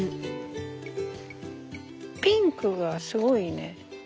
ピンクがすごいね。